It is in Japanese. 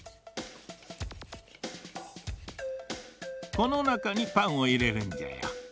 このなかにパンをいれるんじゃよ。